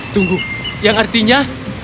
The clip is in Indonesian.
tunggu yang artinya